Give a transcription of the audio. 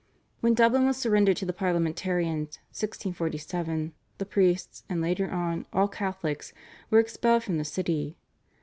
When Dublin was surrendered to the Parliamentarians (1647) the priests, and later on, all Catholics, were expelled from the city.